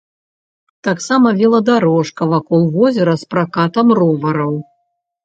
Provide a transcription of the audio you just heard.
Таксама веладарожка вакол возера з пракатам ровараў.